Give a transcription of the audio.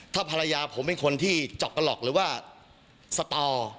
ถ้าภรรยาผมเป็นคนที่จอกกระหลอกหรือว่าสตอ